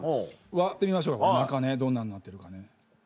割ってみましょう中ねどんなんなってるかね。